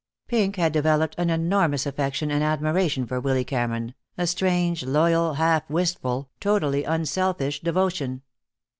Pink had developed an enormous affection and admiration for Willy Cameron, a strange, loyal, half wistful, totally unselfish devotion.